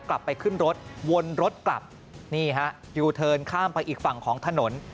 กลับไปขึ้นรถวนรถกลับนี่ฮะยูเทิร์นข้ามไปอีกฝั่งของถนน